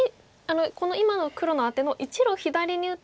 この今の黒のアテの１路左に打てば。